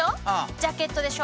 ジャケットでしょ。